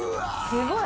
すごい！